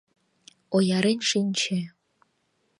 Оярен шинче.